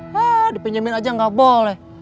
hah dipinjamin aja gak boleh